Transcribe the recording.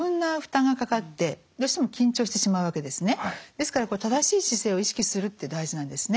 ですから正しい姿勢を意識するって大事なんですね。